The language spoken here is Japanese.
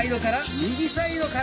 右サイドから。